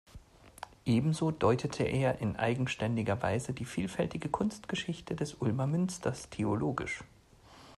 Ebenso deutete er in eigenständiger Weise die vielfältige Kunstgeschichte des Ulmer Münsters theologisch.